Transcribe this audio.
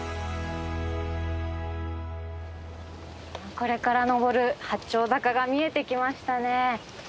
これから登る八丁坂が見えてきましたね。